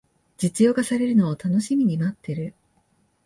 実用化されるのを楽しみに待ってる